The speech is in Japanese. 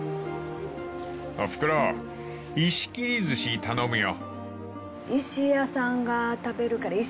［おふくろ石切り寿司頼むよ］